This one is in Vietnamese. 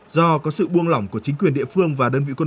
do có sự buông lỏng của chính quyền địa phương và đơn vị quốc phòng